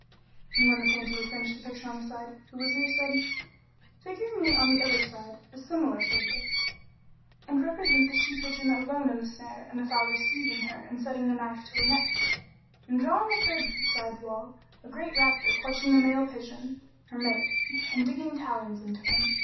And when the painter had finished his picture on one side, the Wazir said, "Figure me on the other side a similar figure and represent the she pigeon alone in the snare and the fowler seizing her and setting the knife to her neck; and draw on the third side wall, a great raptor clutching the male pigeon, her mate, and digging talons into him."